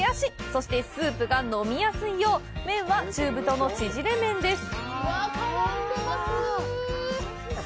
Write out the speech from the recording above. そしてスープが絡みやすいよう、麺は中太のちぢれ麺です。